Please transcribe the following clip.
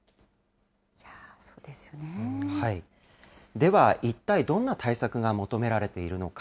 では、一体どんな対策が求められているのか。